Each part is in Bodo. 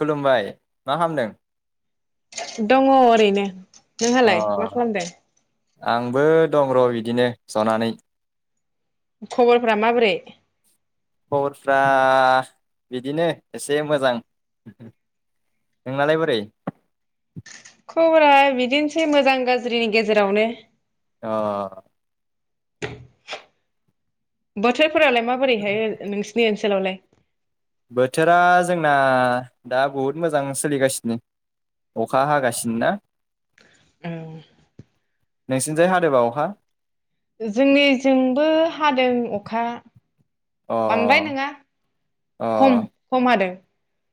खुलुमबाय मा खालामदों दङ ओरैनो नोंहालाय मा अ खालामदों आंबो दं र' बिदिनो जनानै खबरफोरा माबोरै खबरफ्रा बिदिनो एसे मोजां नोंनालाय बोरै खबरा बिदिनोसै मोजां गाज्रिनि गेजेरावनो अ बोथोर फोरालाय माबोरैहाय ओ नोंसिनि ओ सोलावलाय बोथोरा जोंना दा बहुद मोजां सोलिगासिनो अखा हागासिनो ना औ नोंसिनिजाय हादों बा अखा जोंनिजोंबो हादों अखा अ बांद्राय नोङा खम खम हादों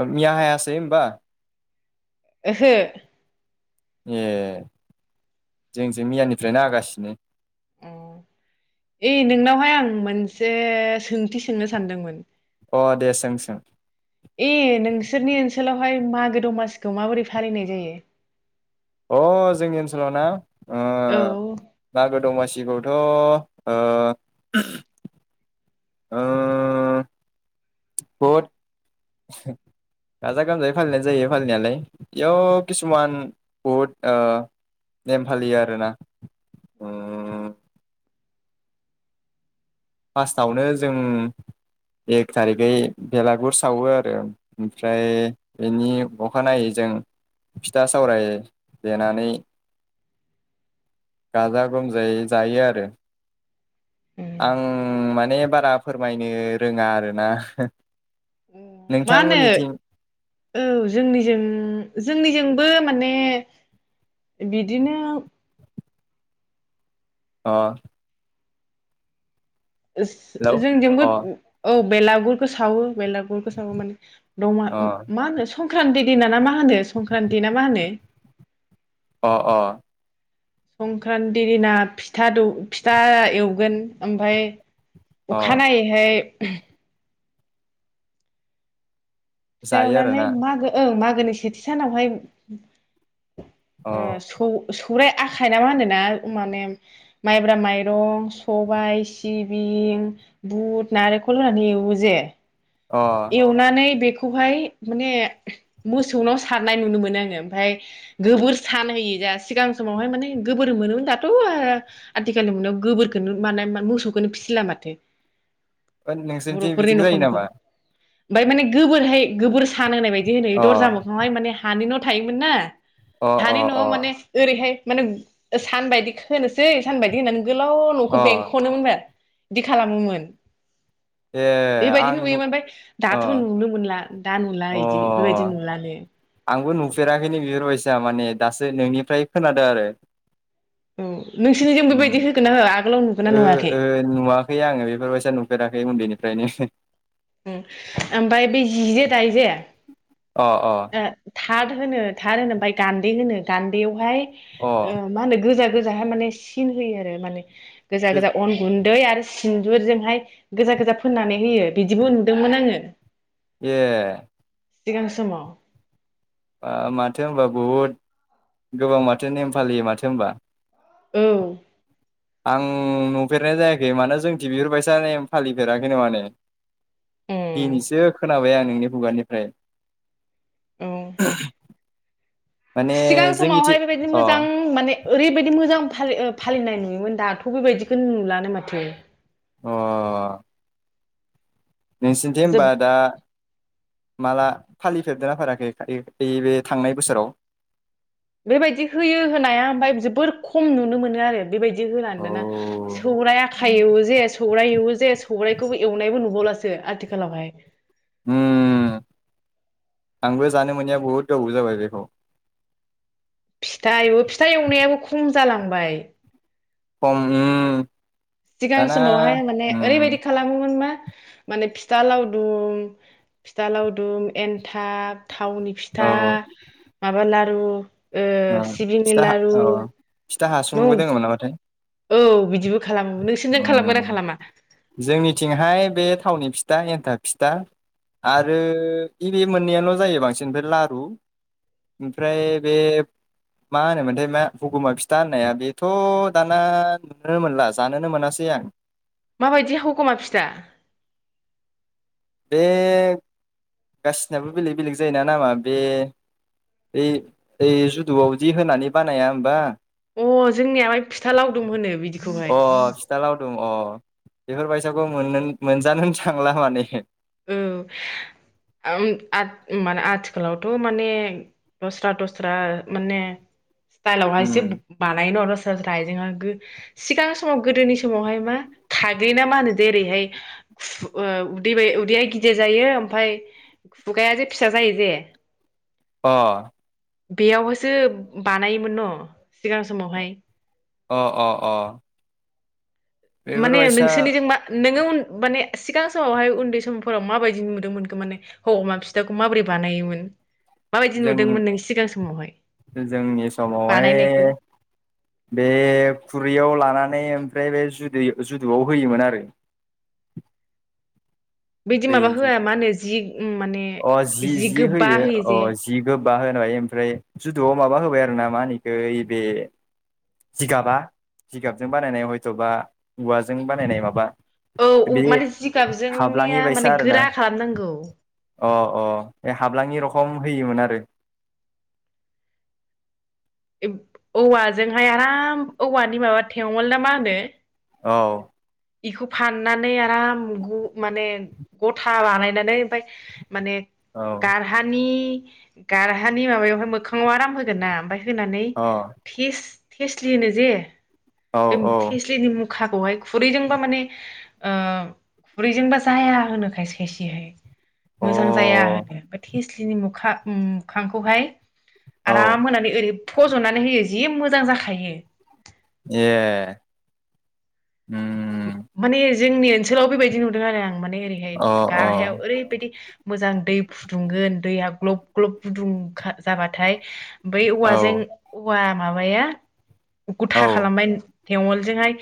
ओ मिया हायासै होमबा ओहो ए जोंजों मियानिफ्रायनो हागासिनो ए ए नोंनावहाय आं मोनसे सोंथि सोंनो सानदोंमोन अ दे सों सों ए नोंसोरनि ओनसोलाव हाय मागो दमासिखौ माबोरै फालिनाय जायो अ जोंनि ओनसोलाव ना अ औ मागो दमासि गिबिआवथ' ओ ओ बहुद गाजा गोमजायै फालिनाय जायो फालिनायालाय बेयाव किसुमान बहुद नेम फालियो आरोना फार्स्टआवनो जों एक थारिखै बेलागुर सावो आरो ओमफ्राय बेनि अखानायै जों फिथा सावराय देनानै गाजा गोमजायै जायो आरो आं माने बारा फोरमायनो रोङा आरोना मा होनो नोंथांमोननिथिं औ जोंनि जोंनिजोंबो माने बिदिनो अ हेलौ जोंजोंबो अ औ बेलागुरखौ सावो बेलागुर गोसाबो माने दमा अ मा होनो संक्रान्त दिन ना मा होनो संक्रान्ति ना मा होनो अ अ संक्रान्ति दिना फिथा फिथा एवगोन ओमफाय अ अखानायैहाय अ [inaudible] फिथा जायो एवनानै आरोना मागो मागो मागोननि सेथि सानावहाय अ आ सौ खु्राय आखाइ न मा होनोना माने माइब्रा माइरं सबायाइ सिबिं बुद नारेंखल होनानि एवनो जे अ एवनानै बेखौ खौहाय माने मोसौनाव सारनाय नुनो मोनो आङो ओमफ्राय गोबोर सानहयो जा सिगां समावहाय माने गोबोर मोनोमोन दाथ' आथिखालनि मोननायाव गोबोरखोननो मान मोसौखौनो फिसिला माथो नोंसोरनिथिं बिदि जायो नामा ओमफाय माने गोबोरहाय गोबोर सान होननाय बदि होनोयो अ दरजा मोखांहाय मान हानि न' थायोमोन ना अ हानि न' अ माने उरैहाय माने सान बाददि होनोसै सान बायदि होननानै आगोलाव न'खौ अ बेंख'नोमोन बे बिदि खालामोमोन ए बेबायदि आं नुयोमोन ओमफ्राय अ दाथ' नुनो मोनला दा नुला बिदि बेबायदि अ नुलानो आंबो नुफेराखैनो बेफोरबायदिया माने दासो नोंनिफ्राय खोनादों आरो औ नोंसोरनिजों बेबायदि उम होगोन ना होआ आगोलाव नुगोना ओ नुवाखै खै उन्दैनिफ्रायनो ओमफ्राय बे जि जे दायोजे अ अ थाद होनो थार होनो ओमफ्राय गान्दै होनो गान्दैयावहाय ओ अ मा होनो गोजान गोजाहाय माने सिन होयो आरो माने गोजा गो गोजा अन गुन दै आरो सिनदुरजोंहाय गोजा गोजा फोननानै होयो बिदिबो नुदोंमोन आङो ए सिगां समाव बा माथो होनबा बहुद गोबां माथो नेम फालियो माथो होनबा औ आं नुफेरनाय जायाखै माने जोंथिं बिफोरबायसा नेम फालिफेराखै माने उम दिनैसो खोनाबाय आं नोंनि खुगानिफ्राय औ माने सिगां जोंनिथि समावहाय बेबायदि अ मोजां माने ओरैबायदि मोजां फालि ओ फालिनाय नुयोमोन दाथ' बेबायदिखौनो नुलानो माथो अ नोंसिनिथि होमबा जोब दा माला फालिफेरदों ना फेराखै ऐ ऐ बे थांनाय बोसोराव बेबायदि होयो होनाया ओमफाय जोबोर खम नुनो मोनो आरो बेबायदि औ होलानो दाना सौराइ आखाइ एवो जे सौराय एवो जे सौरायखौबो एवनायबो नुबावलासो सो आथिखालावहाय उम आंबो जानो मोनिया बहुद गोबाव जाबाय बेखौ फिथा एवो फिथा एवनायाबो खम जालांबाय अम उम सिगां दाना समावहाय माने ओरैबायदि उम खालामोमोन मा माने फिथा लावदुम फिथा लावदुम एन्थाब थावनि औ फिथा माबा लाद औ ओ फिथा औ फिथा न हासुंबो दोङोमोन नामाथाय औ बिदिबो खालाम नोंसिनिजों खालामोना उम खालामा जोंनिथिंहाय बे थावनि फिथा एन्थाब फिथा आरो बे बे मोननैयाल' जायो बांसिन ओमफ्राय लारु ओमफ्राय बे मा होनोमोनथाय मा हगमा फिथा होननाया बेथ' दाना नुनो मोनला जान नोनो मोनासै आं माबायदि हगमा फिथा बे गासिनाबो बेलेग बेलेग जायोना नामा बे ओइ ओइ जुदुआवदि होनानै बानाया होमबा अ जोंनियावहाय फिथा लावदुम होनो बिदिखौहाय अ फिथा लावदुम अ बेफोरबायसाखौ मोननोनो मोनजानोनो थांला माने औ माने आथिखालावथ' माने दस्रा दस्रा माने स्टाइलावहाय एसे उम बानायनो [unintelligible] सिगां समाव गोदोनि समावहाय मा खाग्लि ना मा होनो जेरै हाय उदै [unintelligible] [unintelligible] गिदिर जायो ओमफ्राय खुगायाजे फिसा जायो जे अ बेयावहायसो बानायोमोन न' सिगां समावहाय अ अ अ माने बेफोरबायसा नोंसोरनिजों मा नोंङो उन माने सिगां समावहाय उन्दै समफोराव माबायदि नुदोंमोनख माने हौ अमा फिथाखौ माबोरै बानायोमोन माबायदि जों नुदोंमोन नों सिगां समावहाय जोंनि समावहाय बानायनायखौ बे खुरैयाव लानानै ओमफ्राय बे जुद जुदुआव होयोमोन आरो बिदि दै माबा जु होआ मा होनो जि उम माने अ जि जि होयो अ जि गो बा होनाय ओमफ्राय जुदुआव माबा होबाय आरो ना मा होबाय जिगाबा जिगाबजों बानायनाय हैथबा औवाजों बानायनाय माबा औ बे माने हाबलाङि जिगाबजोंनिया बायसा माने आरोना गोरा खालामनांगौ अ अ हाब्लाांयि रखम होयोमोन आरो औवाजोंहाय आराम औवानि मा बा थेवोल ना मा होनो औ बेखौ फाननानै आराम माने गथा बानायनानै ओमफाय माने औ गारहानि गारहानि माबायावहाय मोखांङाव आराम होगोन ना ओमफाय फानै अ फिस [unintelligible] जे औ ब [unintelligible] [unintelligible] खाखौहाय खु खुरैजोंबा माने ओ खुरैजोंबा जाया होनो खायसे खायसेहाय औ मोजां जाया होनो अ ओमफ्राय थेस्लिनि मोखा ओम खांखौहाय औ आराम होनानै ओरै फज'नानै होयो जि मोजां जाखायो ए उम माने जोंनि ओनसोलाव बेबायदि नुदों आरो आं माने ओरैहाय अ गार हायाव अ ओरैबायदि मोजां दै फुदुंगोन दैया ग्लब ग्लब गुदुंखा जाबाथाय बै औवाजों औ औवा माबाया गुथा औ खालामबाय थेवलजोंहाय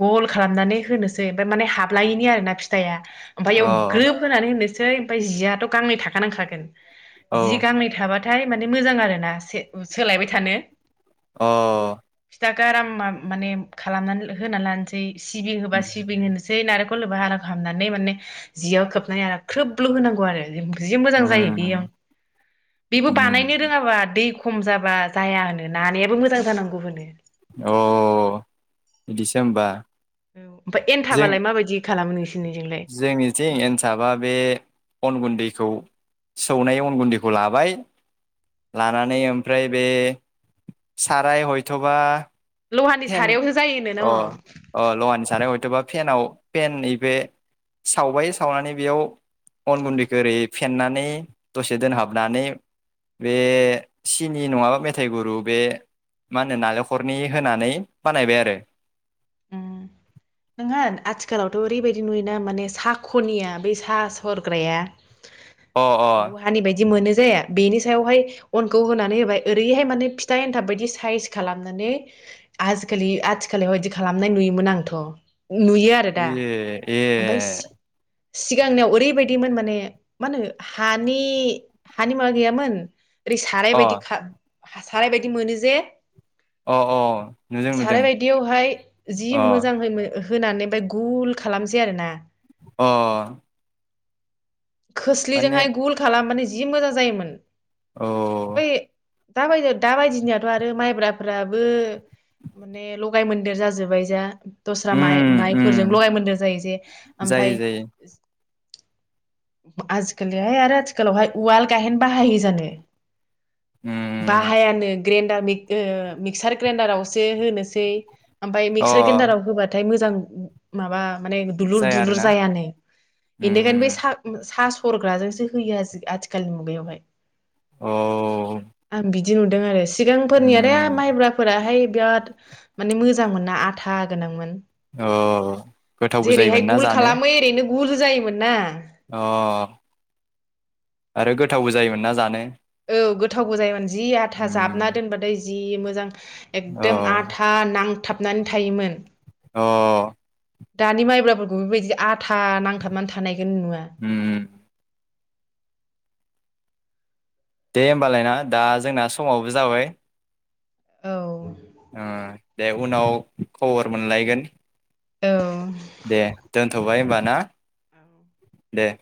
गल खालामनानै होनोसै ओमफाय माने हाबलायैनि आरो ना फिथाया ओमफाय अ बेयाव ग्रोब होनानै होनोस सै ओमफाय जियाथ' गांनै थाखा नांखागोन औ जि गामि थाबा थाय माने मोजां आरो ना से उ सोलायबाय थानो अ दा गारामा माने खालामनानै होना लानस सिबिं होबा उम सिबिं होनोसै नारेख खल होबा आरा खालामनानै माने जियाव खोबनानै आराम ख्रोबल' होनांगौ आरो इम जि मोजां जायो बेयाव बेबो बानायनो उम रोङाबा दै खम जाबा जाया होनो नानायाबो मोजां जानांगौ होनो अ बिदिसो होमबा औ ओमफाय जों एनथाबालाय माबायदि खालामो नोंसि जोंनिथिं एनथाबा बे अन गुन्दैखौ सौनाय अन गुन्दैखौ लाबाय लानानै ओमफ्राय बे साराय हयथ'बा लहानि फेन सारायावसो जायोनो अ न' अ लहानि साराय हयथ'बा फेनाव फेन नैबे सावबाय सावनानै बेयाव उन गुन्दैखौ एरै फेननानै दसे दोनहाबनानै बे सिनि नङाबा मेथाइ गुरू बे मानो नालेंखरनि होनानै बानायबाय आरो उम नोङा आथिखालावथ' ओरैबायदि नुयोना माने साख'निया बे सा सरग्राया अ अ लुहानि बायदि मोनो जे बेनि सायावहाय अनखौ होनानै होबाय ओरैहाय माने फिथा एन्थाब बायदि साइज खालामनानै आजिखालि आथिखालि माबायदि खालाम नाय नुयोमोन आंथ' नुयो आरो दा ए ए ओमफाय सि सिगांनियाव ओरैबायदिमोन माने मा होनो हानि हानि माबा गैयामोन ओरै साराय अ बायदि खा हा साराय बायदि मोनो जे अ अ नुदों साराय नुदों बायदियावहाय जि अ मोजांहै मो होनानै ओमफाय गुल खालामसै आरो ना अ माने खोस्लिजोंहाय गुल खालामनानै जि मोजां जायोमोन औ दा बायदि दा बायदिनियाथ' आरो माइब्राफ्राबो माने लगाय मोन्देर जाजोबबाय जा दस्रा माइ उम उम माइफोरजों लगाय मोनदेर जायो जे जायो ओमफाय जायो आजिखालिहाय आरो आथिखालावहाय उवाल गायहेन बाहायो जानो? उम बाहायानो ग्रेडार [unintelligible] मिक्सार ग्रेन्डारावसो होनोसै ओमफ्राय मिक्सार अ ग्रेन्दडाराव होबाथाय मोजां माबा माने दुलुर जाया दुलुर आरोना जायानो बेनिखायनो बै उम सा सा सरग्राजोंसो होयो आजि आथिखालनि मुगायावहाय औ आं बि दि नुदों आरो सिगांफोरनि आरो उम माइब्राफोराहाय बिराद माने मोजांमोन ना आथा गोनांमोन। औ गोथावबो जेरैहाय जायोमोन ना गुगोल जानो खालामो ओरैनो गुरु जायोमोन ना अ आरो गोथावबो जायोमोन ना जानो औ गोथावबो जायोमोन जि आथा जाबना उम दोनबाथाय जि मोजां एकदम औ आथा नां थाबनानै थायोमोन। अ दानि माइब्राफोरखौ बेबायदि आद था नांथाबनानै थानायखौनो नुवा। उम दे होमबालायना दा जोंना समावबो जाबाय। औ ओ दे उनाव खबर मोनलायगोन। औ दे दोनथ'बाय होमबा ना औ दे